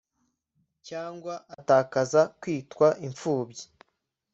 cyangwa atakaza kwitwa imfubyi